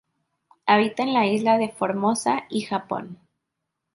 Habita en la isla de Formosa y Japón.